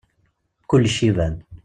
Kulec iban.